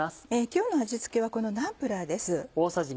今日の味付けはこのナンプラーです。